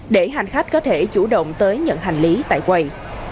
để hành khách có thể chủ động tới nhận hành lý tại quầy